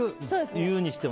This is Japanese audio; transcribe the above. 言うにしても。